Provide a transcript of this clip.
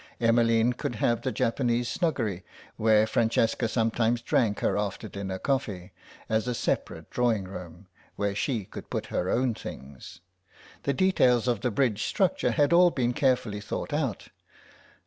Emmeline could have the Japanese snuggery, where Francesca sometimes drank her after dinner coffee, as a separate drawing room, where she could put her own things. The details of the bridge structure had all been carefully thought out.